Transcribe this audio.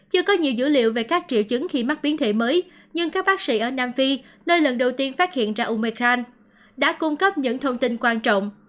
chưa có nhiều dữ liệu về các triệu chứng khi mắc biến thể mới nhưng các bác sĩ ở nam phi nơi lần đầu tiên phát hiện ra umecan đã cung cấp những thông tin quan trọng